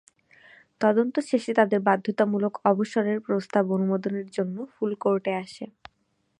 তদন্ত শেষে তাঁদের বাধ্যতামূলক অবসরের প্রস্তাব অনুমোদনের জন্য ফুল কোর্টে আসে।